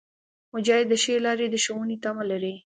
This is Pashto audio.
مجاهد د ښې لارې د ښوونې تمه لري.